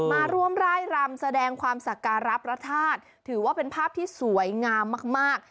มาร่วมร่ายรำแสดงความศักระพระธาตุถือว่าเป็นภาพที่สวยงามมากมาก